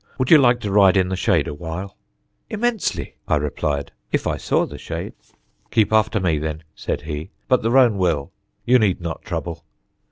Would you like to ride in the shade awhile?" "Immensely," I replied, "if I saw the shade." "Keep after me, then," said he; "but the roan will. You need not trouble!"